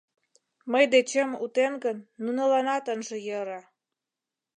Мый дечем утен гын, нуныланат ынже йӧрӧ.